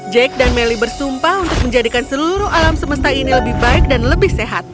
jack dan melly bersumpah untuk menjadikan seluruh alam semesta ini lebih baik dan lebih sehat